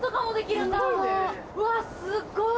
うわすごい！